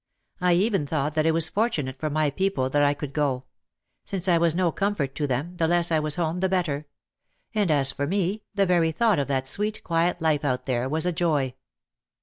I even thought that it was fortunate for my people that I could go. Since I was no comfort to them, the less I was home the better. And as for me, the very thought of that sweet, quiet life out there was a joy.